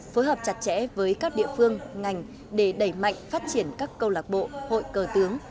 phối hợp chặt chẽ với các địa phương ngành để đẩy mạnh phát triển các câu lạc bộ hội cờ tướng